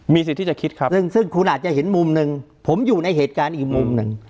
สิทธิ์ที่จะคิดครับซึ่งคุณอาจจะเห็นมุมหนึ่งผมอยู่ในเหตุการณ์อีกมุมหนึ่ง